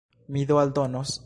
Mi do aldonos.